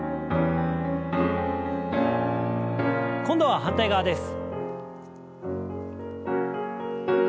今度は反対側です。